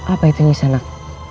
apa itu nyesel anak